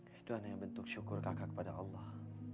itu hanya bentuk syukur kakak kepada allah